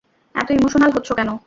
এত ইমোশনাল হচ্ছো কেন?